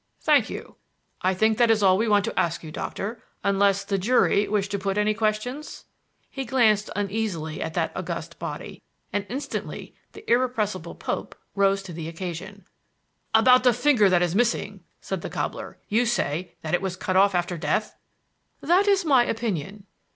"Thank you. I think that is all we want to ask you, Doctor; unless the jury wish to put any questions." He glanced uneasily at that august body, and instantly the irrepressible Pope rose to the occasion. "About that finger that is missing," said the cobbler. "You say that it was cut off after death?" "That is my opinion."